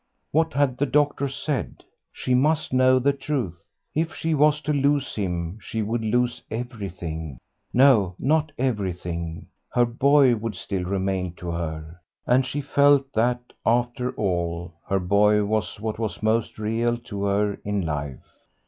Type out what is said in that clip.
What had the doctor said? She must know the truth. If she was to lose him she would lose everything. No, not everything; her boy would still remain to her, and she felt that, after all, her boy was what was most real to her in life.